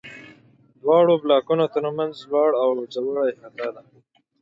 دواړو بلاکونو تر منځ لوړ او ځوړ احاطه ده.